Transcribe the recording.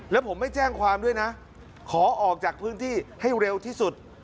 แล้วผมไม่แจ้งความด้วยนะขอออกจากพื้นที่ให้เร็วที่สุด